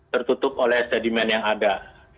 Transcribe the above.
tertutup oleh sedimen yang ada